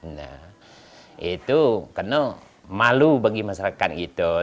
nah itu karena malu bagi masyarakat itu